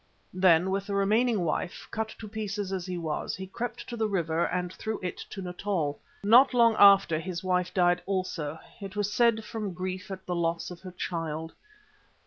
Then, with the remaining wife, cut to pieces as he was, he crept to the river and through it to Natal. Not long after this wife died also; it was said from grief at the loss of her child.